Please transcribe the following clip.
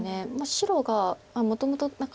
白がもともと何か。